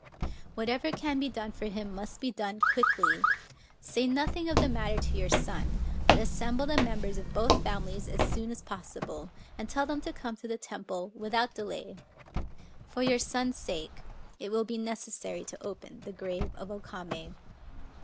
Whatever can be done for him must be done quickly. Say nothing of the matter to your son ; but assemble the members of both families as soon as possible, and tell them to come to the temple without delay. For your son's sake it will be necessary to open the grave of O Kamc."